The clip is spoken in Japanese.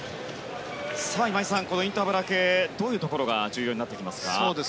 今井さん、インターバル明けどういうところが重要になってきますか？